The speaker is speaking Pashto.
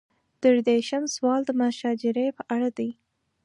درې دېرشم سوال د مشاجرې په اړه دی.